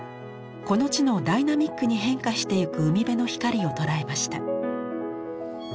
この地のダイナミックに変化していく海辺の光をとらえました。